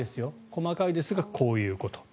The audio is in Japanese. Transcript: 細かいですがこういうこと。